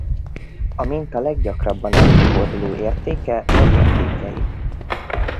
A minta leggyakrabban előforduló értéke vagy értékei.